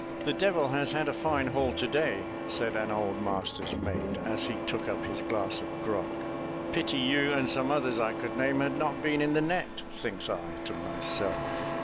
"The devil has had a fine haul to day!" said an old master's mate, as he took up his glass of grog. "Pity you, and some others I could name, had not been in the net!" thinks I to myself.